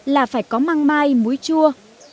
là phải có măng mai muối chua